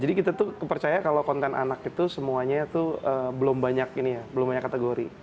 jadi kita tuh percaya kalau konten anak itu semuanya tuh belum banyak kategori